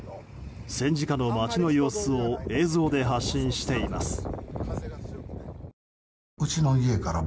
戦時下の街の様子を映像で発信しています。